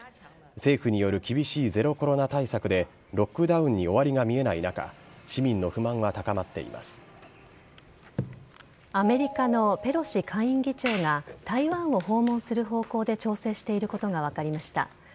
政府による厳しいゼロコロナ対策でロックダウンに終わりが見えない中アメリカのペロシ下院議長が台湾を訪問する方向で調整していることが分かりました。